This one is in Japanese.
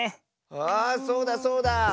あそうだそうだ！